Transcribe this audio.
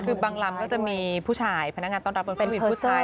คือบางลำก็จะมีผู้ชายพนักงานต้อนรับเป็นผู้หญิงผู้ชาย